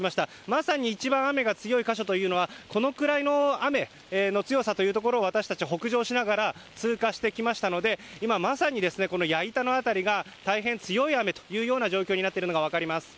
まさに一番雨が強い箇所というのはこのくらいの雨の強さというところを私たち、北上しながら通過してきましたので今まさにこの矢板の辺りが大変強い雨という状況になっているのが分かります。